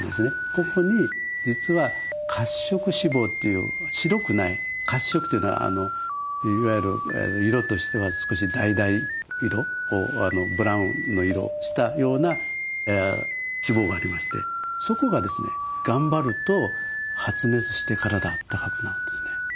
ここに実は褐色脂肪という白くない褐色というのはいわゆる色としては少しだいだい色ブラウンの色をしたような脂肪がありましてそこが頑張ると発熱して体あったかくなるんですね。